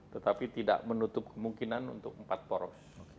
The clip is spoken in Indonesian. tetapi tidak menutup kemungkinan untuk empat poros